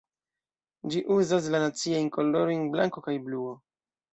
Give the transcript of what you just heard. Ĝi uzas la naciajn kolorojn blanko kaj bluo.